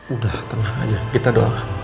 udah tenang aja kita doa